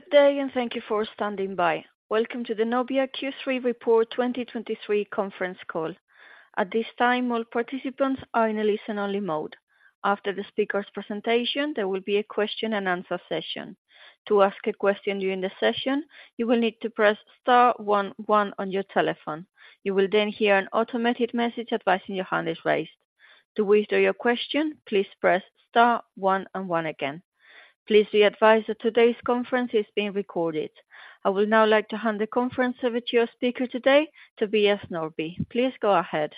Good day, and thank you for standing by. Welcome to the Nobia Q3 Report 2023 Conference Call. At this time, all participants are in a listen-only mode. After the speaker's presentation, there will be a question-and-answer session. To ask a question during the session, you will need to press star one one on your telephone. You will then hear an automated message advising your hand is raised. To withdraw your question, please press star one and one again. Please be advised that today's conference is being recorded. I would now like to hand the conference over to your speaker today, Tobias Norrby. Please go ahead.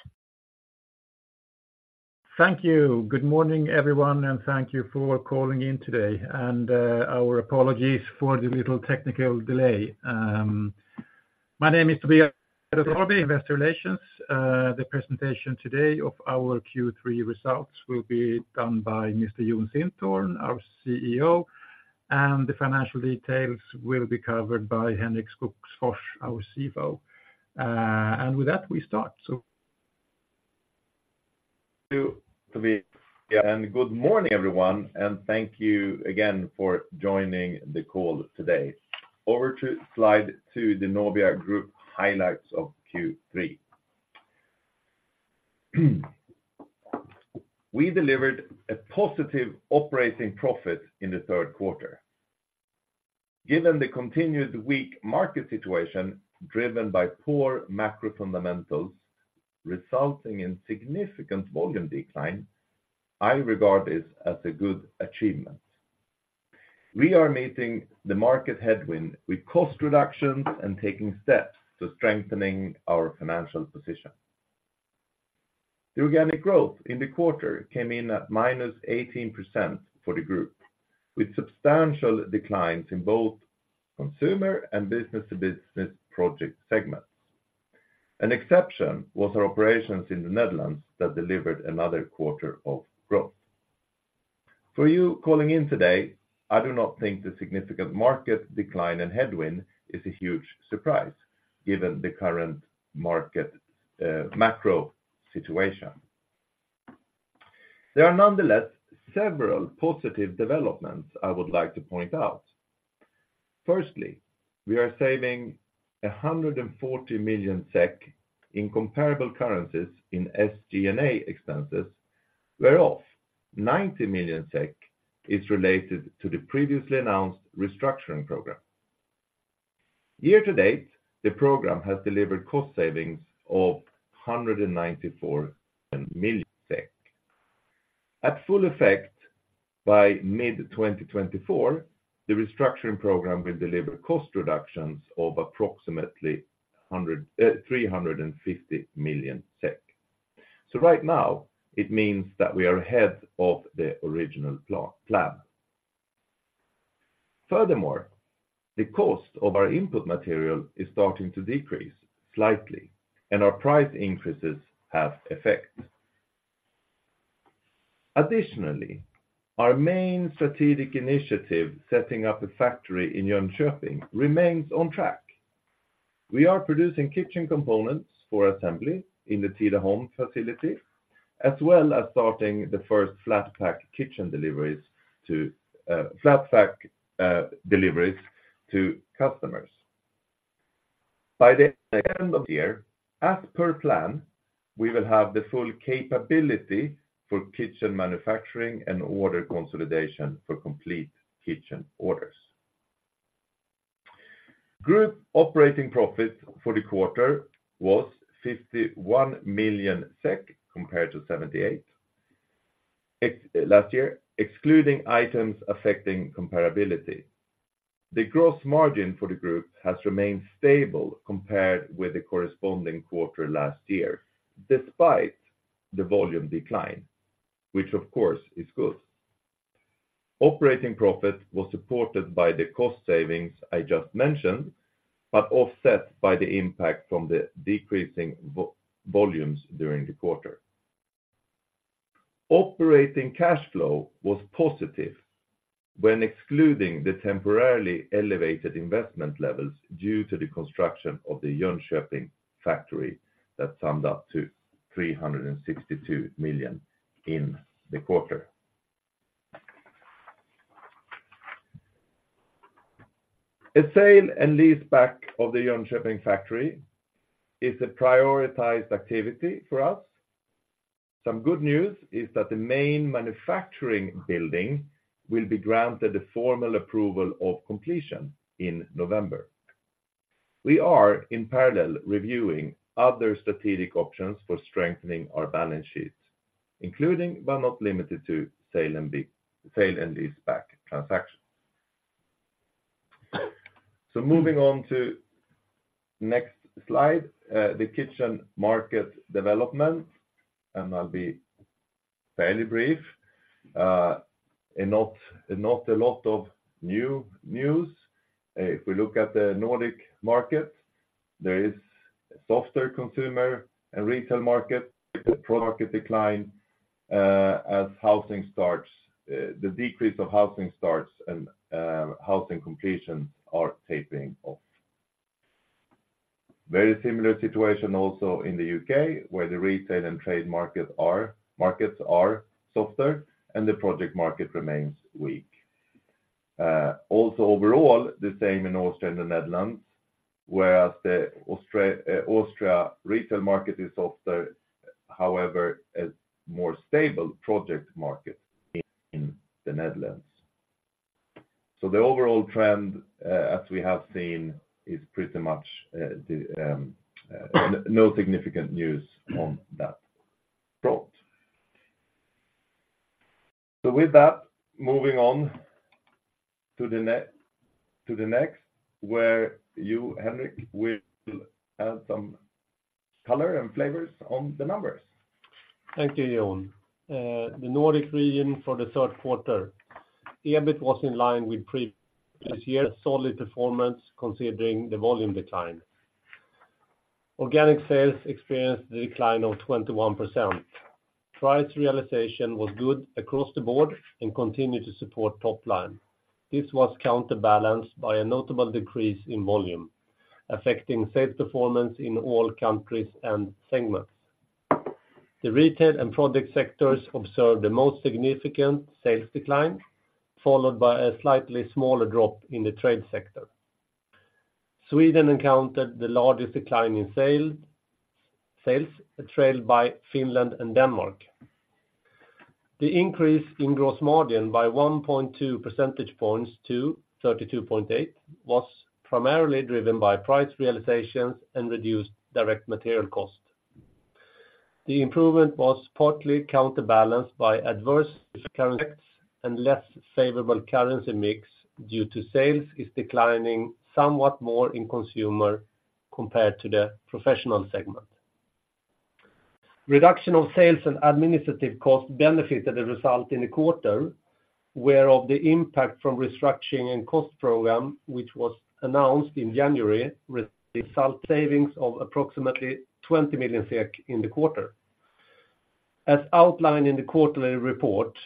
Thank you. Good morning, everyone, and thank you for calling in today, and, our apologies for the little technical delay. My name is Tobias Norrby, Investor Relations. The presentation today of our Q3 results will be done by Mr. Jon Sintorn, our CEO, and the financial details will be covered by Henrik Skogsfors, our CFO. With that, we start, so. Thank you, Tobias, and good morning, everyone, and thank you again for joining the call today. Over to slide two, the Nobia Group highlights of Q3. We delivered a positive operating profit in the third quarter. Given the continued weak market situation, driven by poor macro fundamentals, resulting in significant volume decline, I regard this as a good achievement. We are meeting the market headwind with cost reductions and taking steps to strengthening our financial position. The organic growth in the quarter came in at -18% for the group, with substantial declines in both consumer and business-to-business project segments. An exception was our operations in the Netherlands that delivered another quarter of growth. For you calling in today, I do not think the significant market decline and headwind is a huge surprise, given the current market, macro situation. There are nonetheless several positive developments I would like to point out. Firstly, we are saving 140 million SEK in comparable currencies in SG&A expenses, whereof 90 million SEK is related to the previously announced restructuring program. Year-to-date, the program has delivered cost savings of 194 million SEK. At full effect, by mid-2024, the restructuring program will deliver cost reductions of approximately 350 million SEK. So right now, it means that we are ahead of the original plan. Furthermore, the cost of our input material is starting to decrease slightly, and our price increases have effect. Additionally, our main strategic initiative, setting up a factory in Jönköping, remains on track. We are producing kitchen components for assembly in the Tidaholm facility, as well as starting the first flat-pack kitchen deliveries to flat-pack deliveries to customers. By the end of the year, as per plan, we will have the full capability for kitchen manufacturing and order consolidation for complete kitchen orders. Group operating profit for the quarter was 51 million SEK compared to 78 million last year, excluding items affecting comparability. The gross margin for the group has remained stable compared with the corresponding quarter last year, despite the volume decline, which of course is good. Operating profit was supported by the cost savings I just mentioned, but offset by the impact from the decreasing volumes during the quarter. Operating cash flow was positive when excluding the temporarily elevated investment levels due to the construction of the Jönköping factory, that summed up to 362 million in the quarter. A sale and leaseback of the Jönköping factory is a prioritized activity for us. Some good news is that the main manufacturing building will be granted a formal approval of completion in November. We are, in parallel, reviewing other strategic options for strengthening our balance sheet, including, but not limited to, sale and leaseback transactions. Moving on to next slide, the kitchen market development, and I'll be fairly brief. Not a lot of new news. If we look at the Nordic market, there is a softer consumer and retail market, project decline, as housing starts, the decrease of housing starts and housing completions are tapering off. Very similar situation also in the U.K., where the retail and trade market are, markets are softer and the project market remains weak. Also overall, the same in Austria and the Netherlands, whereas the Austria retail market is softer, however, a more stable project market in the Netherlands. So the overall trend, as we have seen, is pretty much no significant news on that front. So with that, moving on to the next, where you, Henrik, will add some color and flavors on the numbers. Thank you, Jon. The Nordic region for the third quarter, EBIT was in line with previous year, a solid performance considering the volume decline. Organic sales experienced a decline of 21%. Price realization was good across the board and continued to support top line. This was counterbalanced by a notable decrease in volume, affecting sales performance in all countries and segments. The retail and project sectors observed the most significant sales decline, followed by a slightly smaller drop in the trade sector. Sweden encountered the largest decline in sales, trailed by Finland and Denmark. The increase in gross margin by 1.2 percentage points to 32.8 was primarily driven by price realizations and reduced direct material cost. The improvement was partly counterbalanced by adverse currency effects and less favorable currency mix due to sales is declining somewhat more in consumer compared to the professional segment. Reduction of sales and administrative costs benefited the result in the quarter, whereof the impact from restructuring and cost program, which was announced in January, result savings of approximately 20 million SEK in the quarter. As outlined in the quarterly report,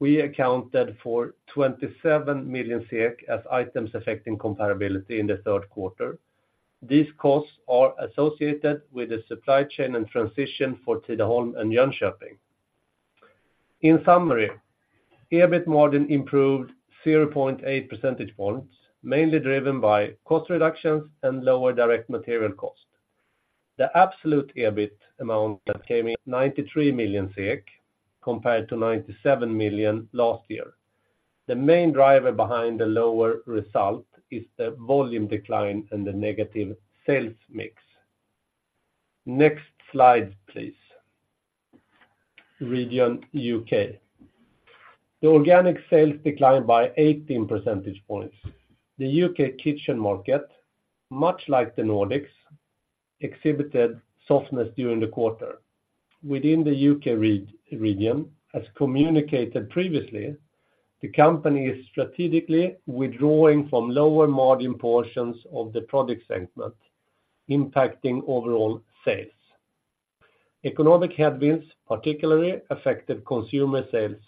we accounted for 27 million SEK as items affecting comparability in the third quarter. These costs are associated with the supply chain and transition for Tidaholm and Jönköping. In summary, EBIT margin improved 0.8 percentage points, mainly driven by cost reductions and lower direct material cost. The absolute EBIT amount that came in 93 million compared to 97 million last year. The main driver behind the lower result is the volume decline and the negative sales mix. Next slide, please. Region U.K. The organic sales declined by 18 percentage points. The U.K. kitchen market, much like the Nordics, exhibited softness during the quarter. Within the U.K. region, as communicated previously, the company is strategically withdrawing from lower margin portions of the project segment, impacting overall sales. Economic headwinds particularly affected consumer sales,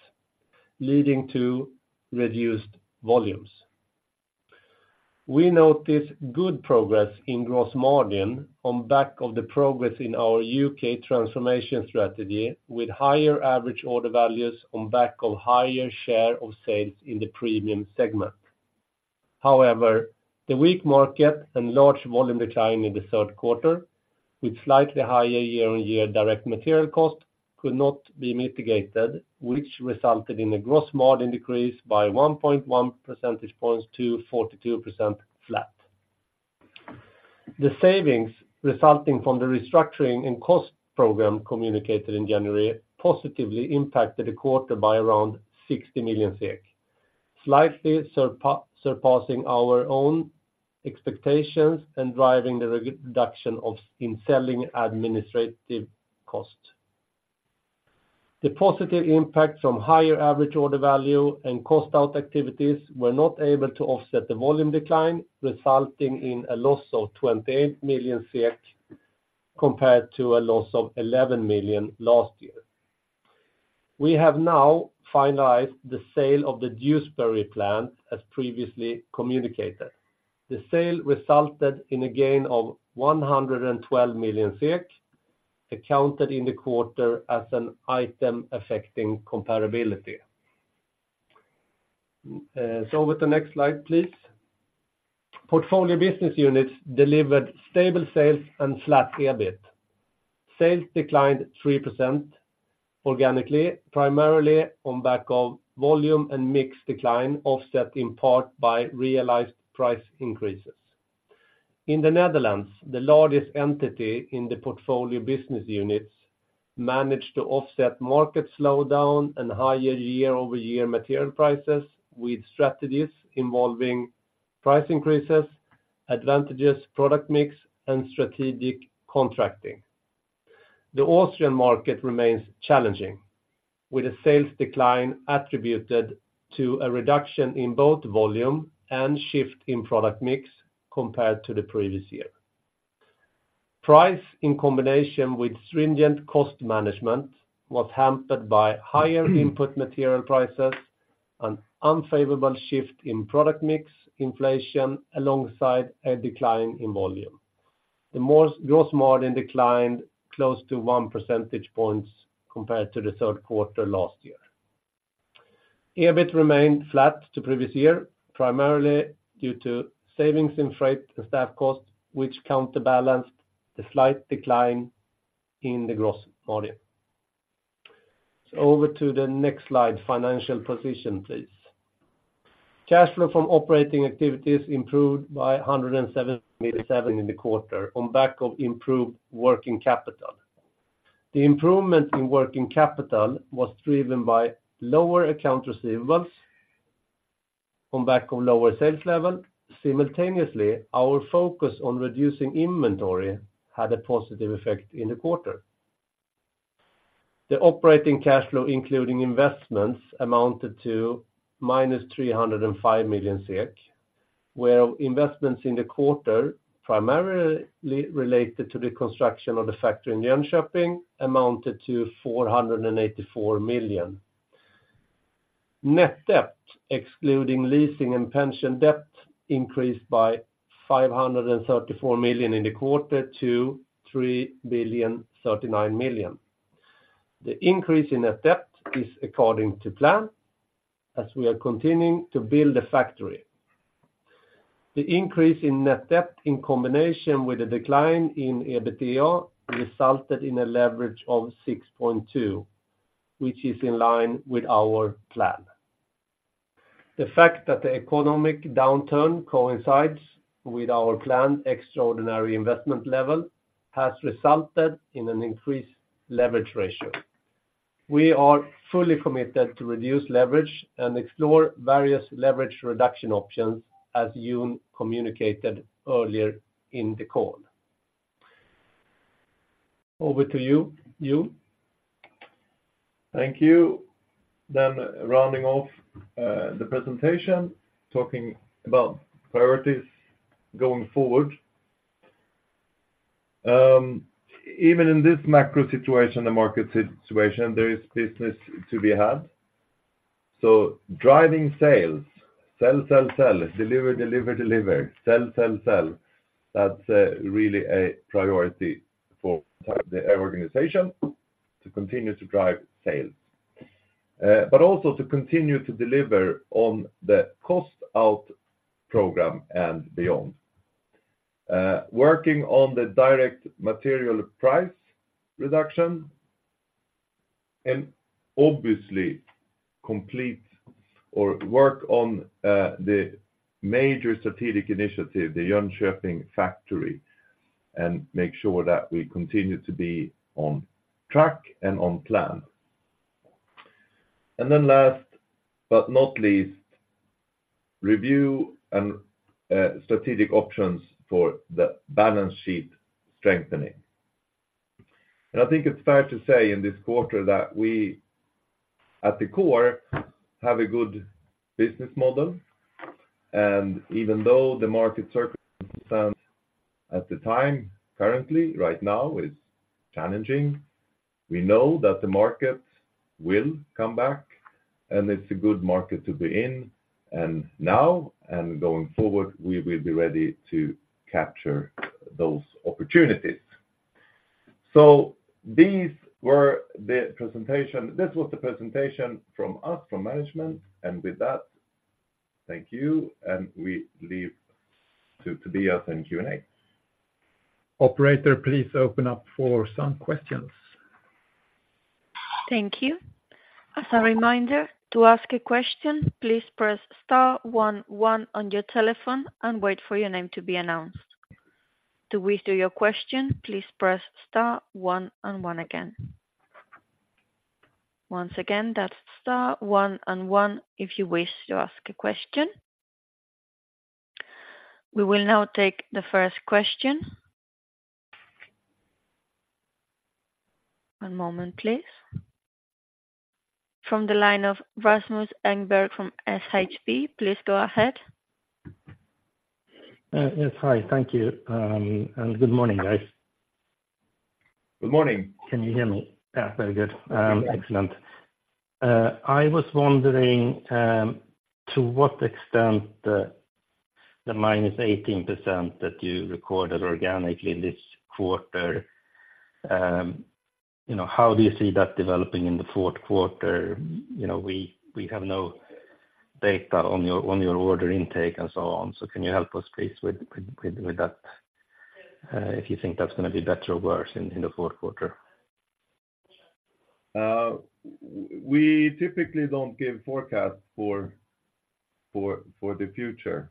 leading to reduced volumes. We notice good progress in gross margin on back of the progress in our U.K. transformation strategy, with higher average order values on back of higher share of sales in the premium segment. However, the weak market and large volume decline in the third quarter, with slightly higher year-on-year direct material cost, could not be mitigated, which resulted in a gross margin decrease by 1.1 percentage points to 42% flat. The savings resulting from the restructuring and cost program communicated in January positively impacted the quarter by around 60 million SEK, slightly surpassing our own expectations and driving the reduction in selling administrative cost. The positive impact from higher average order value and cost out activities were not able to offset the volume decline, resulting in a loss of 28 million SEK, compared to a loss of 11 million last year. We have now finalized the sale of the Dewsbury plant, as previously communicated. The sale resulted in a gain of 112 million SEK, accounted in the quarter as an item affecting comparability. So with the next slide, please. Portfolio Business Units delivered stable sales and flat EBIT. Sales declined 3% organically, primarily on the back of volume and mix decline, offset in part by realized price increases. In the Netherlands, the largest entity in the Portfolio Business Units, managed to offset market slowdown and higher year-over-year material prices with strategies involving price increases, advantages, product mix, and strategic contracting. The Austrian market remains challenging, with a sales decline attributed to a reduction in both volume and shift in product mix compared to the previous year. Price, in combination with stringent cost management, was hampered by higher input material prices, an unfavorable shift in product mix inflation alongside a decline in volume. The gross margin declined close to one percentage point compared to the third quarter last year. EBIT remained flat to previous year, primarily due to savings in freight and staff costs, which counterbalanced the slight decline in the gross margin. Over to the next slide, financial position, please. Cash flow from operating activities improved by 177 million in the quarter on back of improved working capital. The improvement in working capital was driven by lower accounts receivable on back of lower sales level. Simultaneously, our focus on reducing inventory had a positive effect in the quarter. The operating cash flow, including investments, amounted to -305 million SEK, where investments in the quarter, primarily related to the construction of the factory in Jönköping, amounted to 484 million. Net debt, excluding leasing and pension debt, increased by 534 million in the quarter to 3,039 million. The increase in net debt is according to plan, as we are continuing to build a factory. The increase in net debt, in combination with a decline in EBITDA, resulted in a leverage of 6.2, which is in line with our plan. The fact that the economic downturn coincides with our planned extraordinary investment level has resulted in an increased leverage ratio. We are fully committed to reduce leverage and explore various leverage reduction options, as Jon communicated earlier in the call. Over to you, Jon. Thank you. Then rounding off the presentation, talking about priorities going forward. Even in this macro situation, the market situation, there is business to be had. So driving sales, sell, sell, sell, deliver, deliver, deliver, sell, sell, sell. That's really a priority for the organization to continue to drive sales. But also to continue to deliver on the cost-out program and beyond. Working on the direct material price reduction, and obviously complete or work on the major strategic initiative, the Jönköping factory, and make sure that we continue to be on track and on plan. And then last but not least, review and strategic options for the balance sheet strengthening. I think it's fair to say in this quarter that we, at the core, have a good business model, and even though the market circumstance at the time, currently, right now, is challenging, we know that the market will come back, and it's a good market to be in, and now and going forward, we will be ready to capture those opportunities. So these were the presentation, this was the presentation from us from management. and with that, thank you, and we leave to Tobias in Q&A. Operator, please open up for some questions. Thank you. As a reminder, to ask a question, please press star one one on your telephone and wait for your name to be announced. To withdraw your question, please press star one and one again. Once again, that's star one and one, if you wish to ask a question. We will now take the first question. One moment, please. From the line of Rasmus Engberg from SHB, please go ahead. Yes, hi. Thank you, and good morning, guys. Good morning. Can you hear me? Yeah, very good. Excellent. I was wondering, to what extent the -18% that you recorded organically this quarter, you know, how do you see that developing in the fourth quarter? You know, we have no data on your order intake and so on, so can you help us, please, with that? If you think that's going to be better or worse in the fourth quarter. We typically don't give forecasts for the future.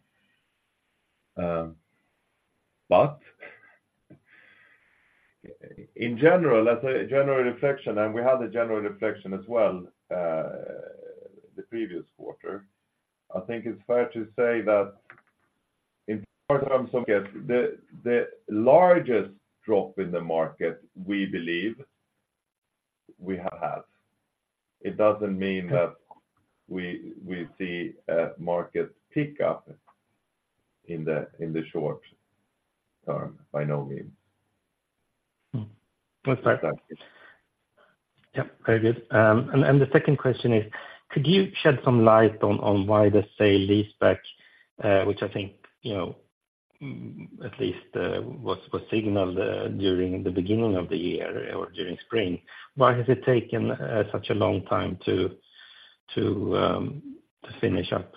But in general, as a general reflection, and we had a general reflection as well, the previous quarter, I think it's fair to say that in terms of the market, the largest drop in the market, we believe we have had. It doesn't mean that we see a market pick up in the short term, by no means. Let's start that. Yep, very good. And the second question is, could you shed some light on why the sale lease back, which I think, you know, at least was signaled during the beginning of the year or during spring, why has it taken such a long time to finish up?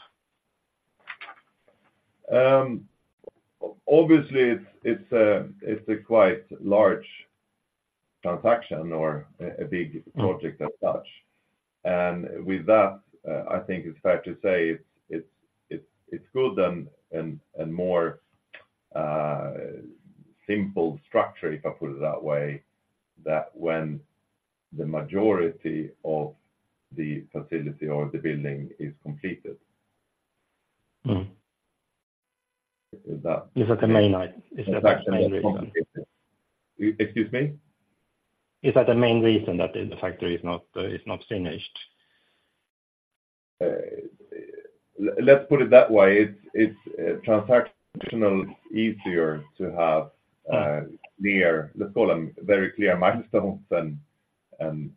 Obviously, it's a quite large transaction or a big project as such. And with that, I think it's fair to say it's good and more simple structure, if I put it that way, that when the majority of the facility or the building is completed. Is that. Excuse me? Is that the main reason that the factory is not finished? Let's put it that way, it's, it's transactional, easier to have clear, let's call them very clear milestones and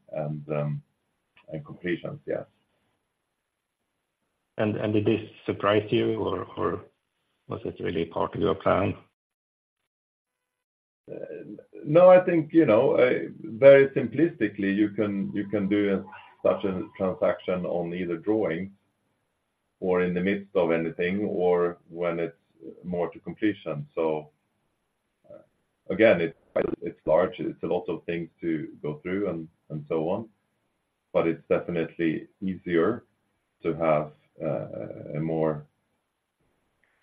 completions, yes. Did this surprise you, or was it really part of your plan? No, I think, you know, very simplistically, you can, you can do such a transaction on either drawings or in the midst of anything, or when it's more to completion. So again, it's quite, it's large, it's a lot of things to go through and so on, but it's definitely easier to have a more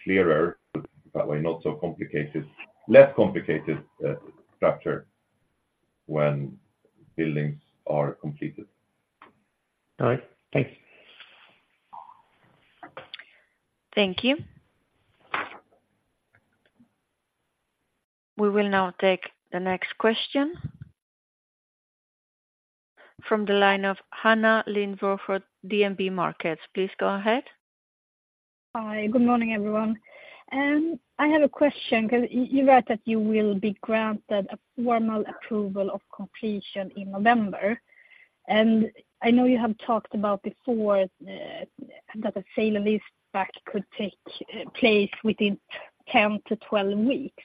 clearer, that way, not so complicated, less complicated, structure when buildings are completed. All right. Thanks. Thank you. We will now take the next question from the line of Hanna Lindbo for DNB Markets. Please go ahead. Hi, good morning, everyone. I have a question, because you wrote that you will be granted a formal approval of completion in November, and I know you have talked about before, that the sale and lease back could take place within 10-12 weeks.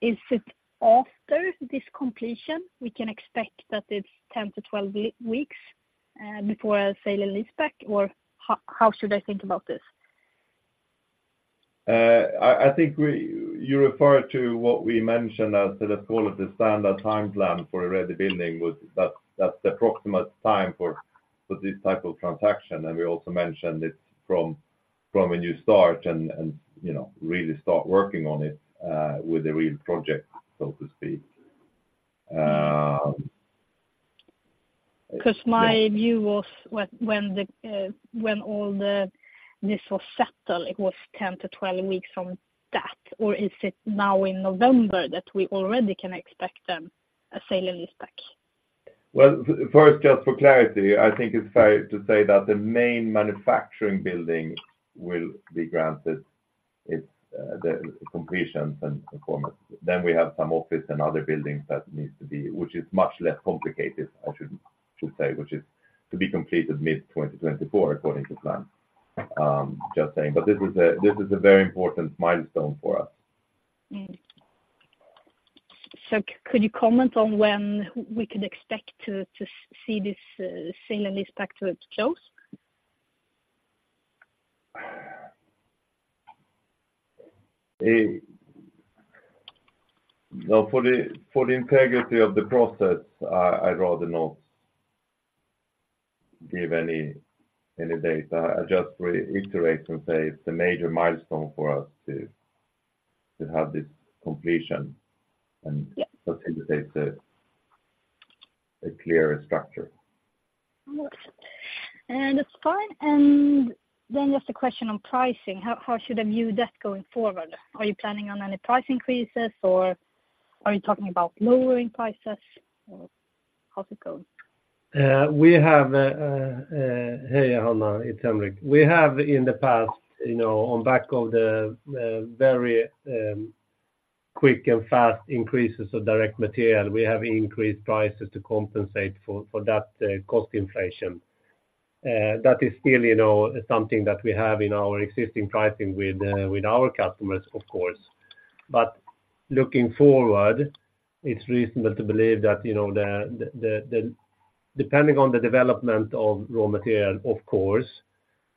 Is it after this completion, we can expect that it's 10-12 weeks before a sale and lease back, or how should I think about this? I think you refer to what we mentioned as to the quality of the standard timeline for a ready building. That's the approximate time for this type of transaction. We also mentioned it's from a new start and, you know, really start working on it with a real project, so to speak. Because my view was when all this was settled, it was 10-12 weeks from that, or is it now in November that we already can expect a sale and lease back? Well, first, just for clarity, I think it's fair to say that the main manufacturing building will be granted its the completions and performance. Then we have some office and other buildings that needs to be. Which is much less complicated, I should say, which is to be completed mid-2024, according to plan. Just saying, but this is a, this is a very important milestone for us. So could you comment on when we could expect to see this sale and lease back to its close? Now, for the integrity of the process, I'd rather not give any data. I just reiterate and say it's a major milestone for us to have this completion and facilitate a clearer structure. And that's fine. And then just a question on pricing. How should I view that going forward? Are you planning on any price increases, or are you talking about lowering prices, or how's it going? Hey, Hanna, it's Henrik. We have in the past, you know, on back of the very quick and fast increases of direct material, we have increased prices to compensate for that cost inflation. That is still, you know, something that we have in our existing pricing with our customers, of course. But looking forward, it's reasonable to believe that, you know, the depending on the development of raw material, of course,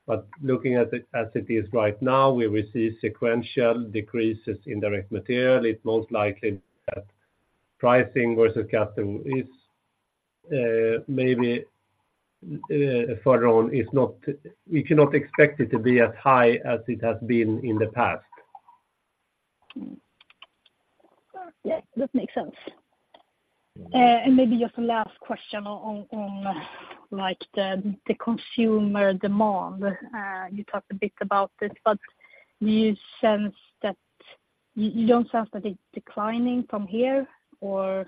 but looking at it as it is right now, we will see sequential decreases in direct material. It's most likely that pricing versus custom is, maybe further on, we cannot expect it to be as high as it has been in the past. Yeah, that makes sense. Maybe just a last question on like the consumer demand. You talked a bit about this, but you sense that, you don't sense that it's declining from here, or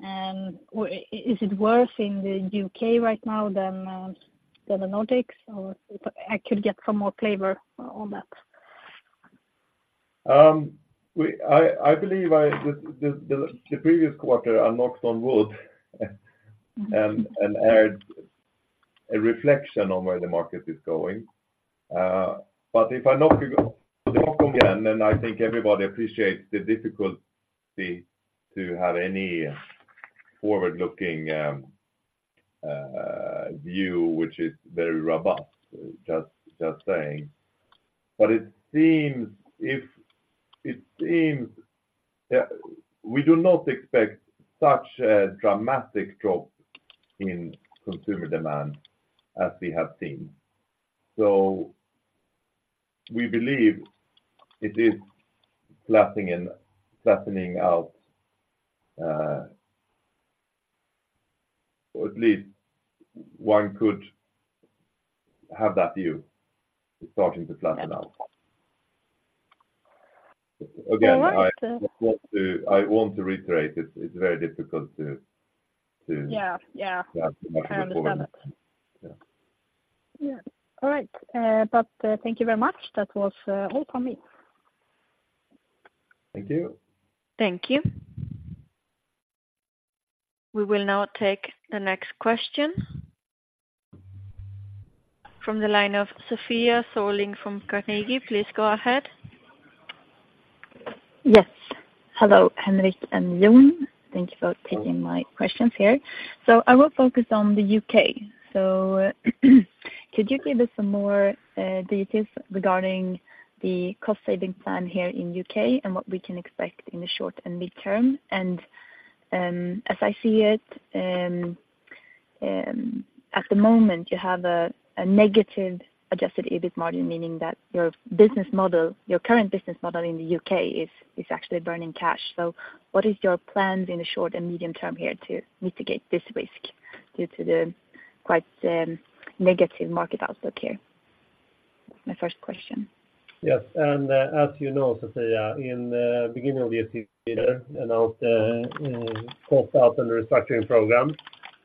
is it worse in the U.K. right now than the Nordics? Or if I could get some more flavor on that. I believe, the previous quarter, I knocked on wood and had a reflection on where the market is going. But if I knock again, then I think everybody appreciates the difficulty to have any forward-looking view, which is very robust. Just saying. But it seems we do not expect such a dramatic drop in consumer demand as we have seen. So we believe it is flattening and flattening out, or at least one could have that view. It's starting to flatten out. Again, I want to reiterate, it's very difficult to. Yeah, yeah. I understand that. Yeah. Yeah. All right, but, thank you very much. That was all from me. Thank you. Thank you. We will now take the next question. From the line of Sofia Sörling from Carnegie. Please go ahead. Yes. Hello, Henrik and Jon. Thank you for taking my questions here. So I will focus on the U.K. So could you give us some more details regarding the cost saving plan here in U.K. and what we can expect in the short and mid-term? And as I see it, at the moment, you have a negative adjusted EBIT margin, meaning that your business model, your current business model in the U.K. is actually burning cash. So what is your plans in the short and medium term here to mitigate this risk due to the quite negative market outlook here? My first question. Yes, as you know, Sofia, in the beginning of the year, announced cost out and restructuring program,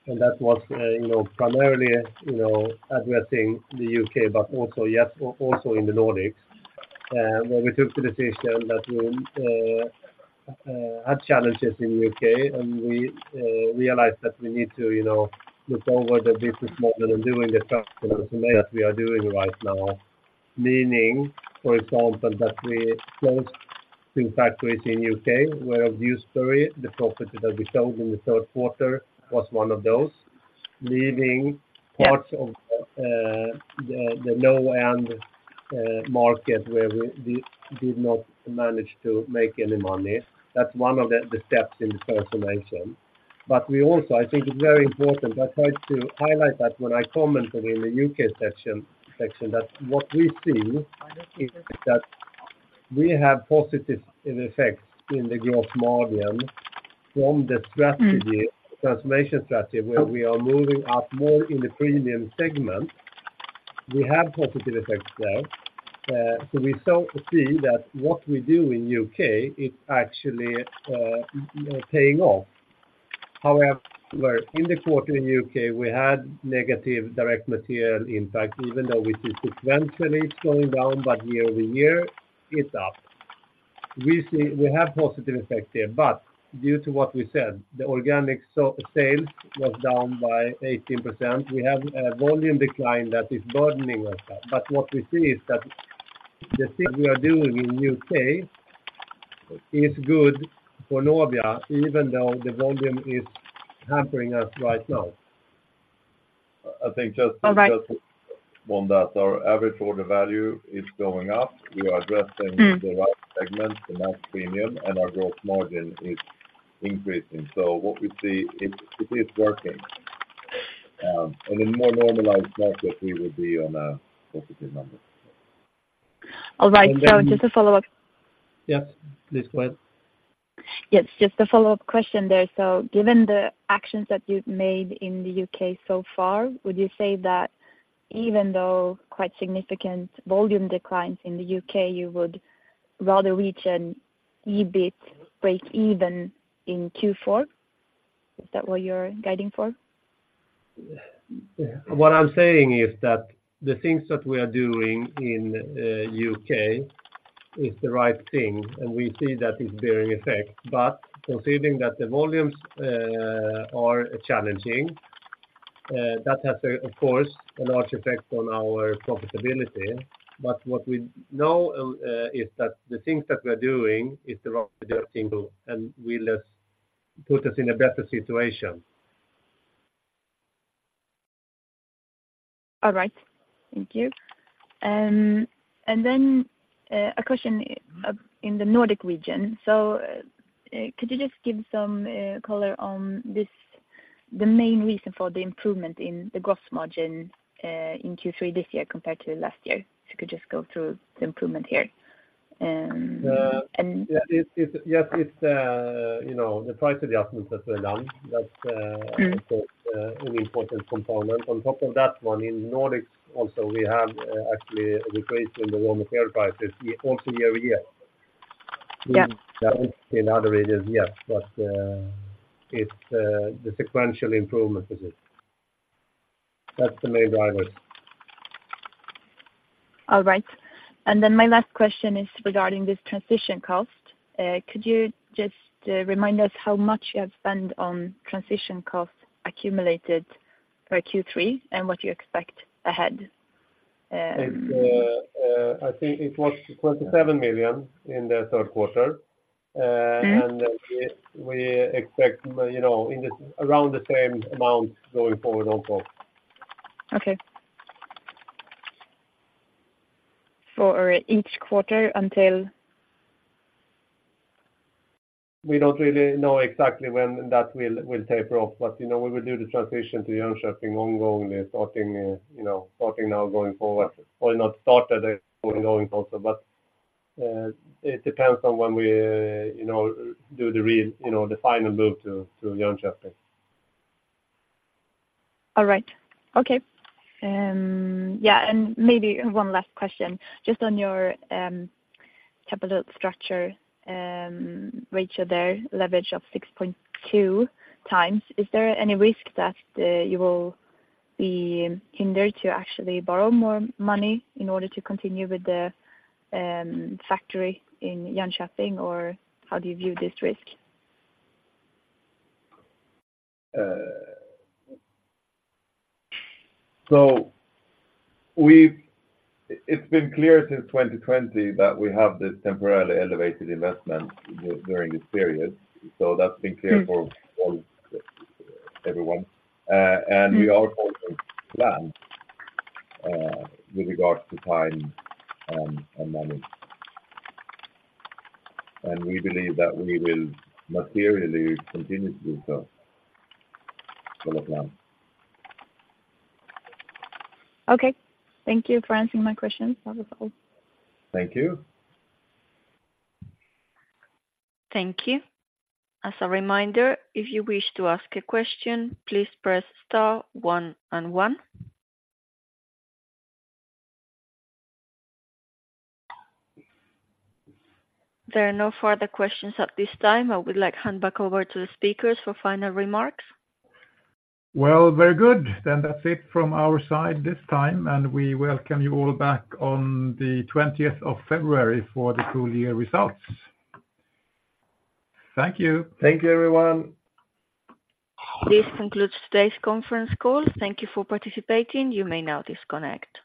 and that was, you know, primarily, you know, addressing the U.K., but also, yes, also in the Nordics. Where we took the decision that we had challenges in U.K., and we realized that we need to, you know, look over the business model and doing the transformation that we are doing right now. Meaning, for example, that we closed two factories in U.K., where Dewsbury, the property that we sold in the third quarter, was one of those, leaving parts of the low-end market where we did not manage to make any money. That's one of the steps in the transformation. But we also, I think it's very important. I tried to highlight that when I commented in the U.K. section, that what we see is that we have positive in effect in the gross margin from the strategy. Transformation strategy, where we are moving up more in the Premium segment. We have positive effects there. So we still see that what we do in U.K. is actually paying off. However, in the quarter in U.K., we had negative direct material impact, even though we see sequentially it's going down, but year-over-year, it's up. We have positive effect there, but due to what we said, the organic sales was down by 18%. We have a volume decline that is burdening us, but what we see is that the things we are doing in U.K. is good for Nobia, even though the volume is hampering us right now. All right. On that, our average order value is going up. We are addressing the right segment, the right premium, and our gross margin is increasing. So what we see is, it is working. In a more normalized market, we will be on a positive number. All right. So just a follow-up. Yes, please go ahead. Yes, just a follow-up question there. So given the actions that you've made in the U.K. so far, would you say that even though quite significant volume declines in the U.K., you would rather reach an EBIT break even in Q4? Is that what you're guiding for? What I'm saying is that the things that we are doing in U.K. is the right thing, and we see that it's bearing effect, but considering that the volumes are challenging, that has, of course, a large effect on our profitability. But what we know is that the things that we're doing is the right thing, and will just put us in a better situation. All right. Thank you. And then a question in the Nordic region. So, could you just give some color on this, the main reason for the improvement in the gross margin in Q3 this year compared to last year? If you could just go through the improvement here. Yeah, it's. Yes, it's, you know, the price adjustments that were done, that's an important component. On top of that one, in Nordics also, we have actually a decrease in the raw material prices, also year-over-year. Yeah. In other regions, yes, but it's the sequential improvement, is it? That's the main drivers. All right. And then my last question is regarding this transition cost. Could you just remind us how much you have spent on transition costs accumulated for Q3 and what you expect ahead? I think it was 27 million in the third quarter. And we expect, you know, around the same amount going forward also. Okay. For each quarter until? We don't really know exactly when that will taper off, but, you know, we will do the transition to Jönköping ongoingly, starting, you know, starting now going forward, or not started, going also. But, it depends on when we, you know, do the real, you know, the final move to Jönköping. All right. Okay. Yeah, and maybe one last question. Just on your capital structure ratio there, leverage of 6.2 times, is there any risk that you will be hindered to actually borrow more money in order to continue with the factory in Jönköping, or how do you view this risk? So it's been clear since 2020 that we have this temporarily elevated investment during this period, so that's been clear for all, everyone. We also planned, with regards to time, and money. We believe that we will materially continue to do so for now. Okay. Thank you for answering my questions. That was all. Thank you. Thank you. As a reminder, if you wish to ask a question, please press star one and one. There are no further questions at this time. I would like to hand back over to the speakers for final remarks. Well, very good. That's it from our side this time, and we welcome you all back on the February 20th for the full year results. Thank you. Thank you, everyone. This concludes today's conference call. Thank you for participating. You may now disconnect.